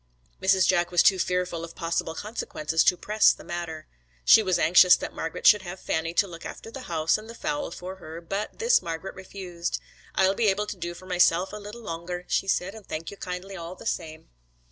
Mrs. Jack was too fearful of possible consequences to press the matter. She was anxious that Margret should have Fanny to look after the house and the fowl for her, but this Margret refused. 'I'll be able to do for myself a little longer,' she said, 'an' thank you kindly all the same.'